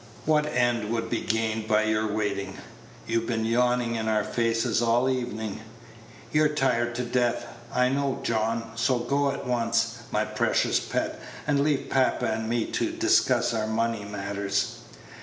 What end would be gained by your waiting? you've been yawning in our faces all the evening. You're tired to death, I know, John; so go at once, my precious pet, and leave papa and me to discuss our money matters."